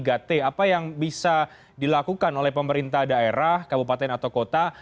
apa yang bisa dilakukan oleh pemerintah daerah kabupaten atau kota